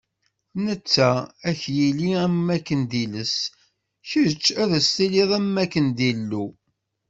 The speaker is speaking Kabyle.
Netta ad k-yili am wakken d iles, kečč ad s-tiliḍ am wakken d Illu.